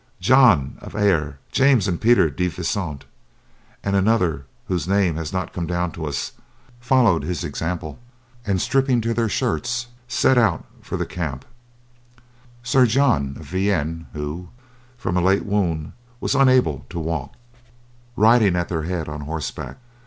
John of Aire, James and Peter De Vissant, and another whose name has not come down to us, followed his example, and stripping to their shirts set out for the camp, Sir John of Vienne, who, from a late wound, was unable to walk, riding at their head on horseback.